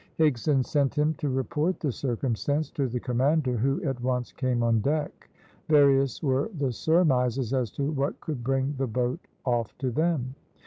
Higson sent him to report the circumstance to the commander, who at once came on deck. Various were the surmises as to what could bring the boat off to them.